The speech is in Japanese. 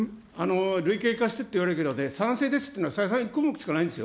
類型化してって言われるけどね、賛成ですっていうのは、項目がないんですよ。